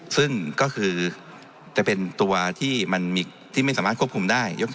ซึ่งก็คือจะเป็นตัวที่ไม่สามารถควบคุมได้